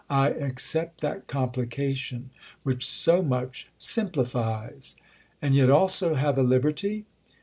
"I accept that complication—which so much simplifies!" "And yet also have a liberty?"